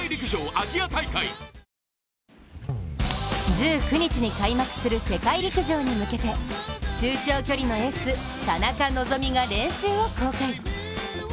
１９日に開幕する世界陸上に向けて、中長距離のエース・田中希実が練習を公開。